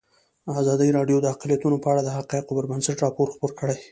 ازادي راډیو د اقلیتونه په اړه د حقایقو پر بنسټ راپور خپور کړی.